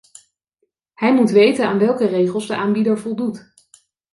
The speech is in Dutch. Hij moet weten aan welke regels de aanbieder voldoet.